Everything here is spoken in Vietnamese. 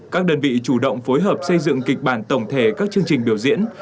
các đơn vị chủ động phối hợp xây dựng kịch bản tổng thể các chương trình biểu diễn